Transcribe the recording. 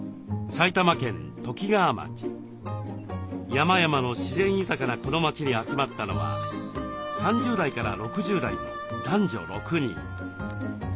山々の自然豊かなこの町に集まったのは３０代から６０代の男女６人。